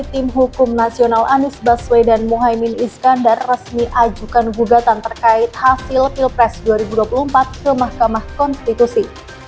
tim hukum nasional anies baswedan mohaimin iskandar resmi ajukan gugatan terkait hasil pilpres dua ribu dua puluh empat ke mahkamah konstitusi